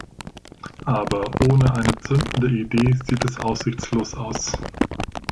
Aber ohne eine zündende Idee sieht es aussichtslos aus.